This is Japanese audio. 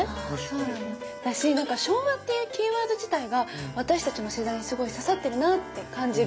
私なんか昭和っていうキーワード自体が私たちの世代にすごい刺さってるなって感じる。